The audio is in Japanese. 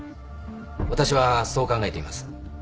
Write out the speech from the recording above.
私はそう考えています。